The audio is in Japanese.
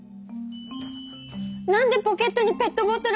何でポケットにペットボトルが入ってるの？